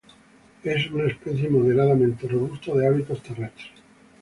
Es una especie moderadamente robusta de hábitos terrestres.